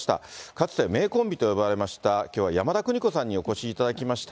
かつて名コンビと呼ばれました、きょうは山田邦子さんにお越しいただきました。